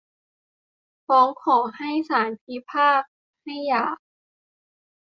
ฟ้องขอให้ศาลพิพากษาให้หย่า